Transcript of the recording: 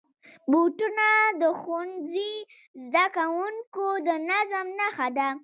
بوټونه د ښوونځي زدهکوونکو د نظم نښه ده.